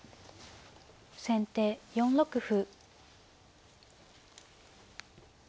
先手４六歩。